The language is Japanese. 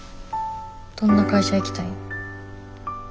どんな会社行きたいん？